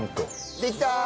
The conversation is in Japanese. できたー！